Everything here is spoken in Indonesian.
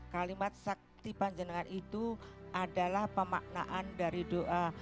kalimat sakti panjenengan itu adalah pemaknaan dari doa